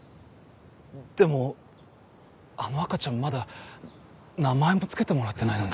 でもあの赤ちゃんまだ名前も付けてもらってないのに。